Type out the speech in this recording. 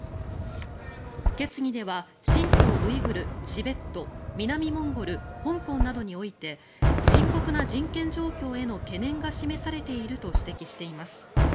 決議では新疆ウイグル、チベット南モンゴル、香港などにおいて深刻な人権状況への懸念が示されていると指摘しています。